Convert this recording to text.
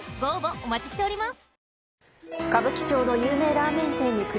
お待ちしております！